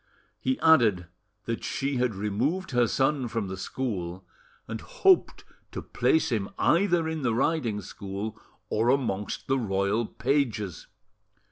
He added that she had removed her son from the school, and hoped to place him either in the riding school or amongst the royal pages.